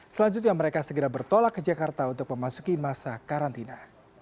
selanjutnya mereka segera bertolak ke jakarta untuk memasuki masa karantina